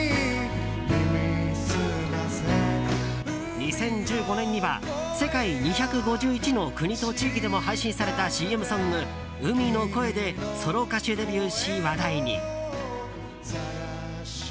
２０１５年には世界２５１の国と地域でも配信されたＣＭソング「海の声」でソロ歌手デビューし、話題に。